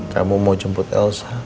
kamu mau jemput elsa